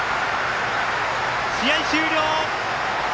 試合終了！